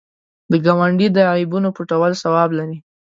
د ګاونډي د عیبونو پټول ثواب لري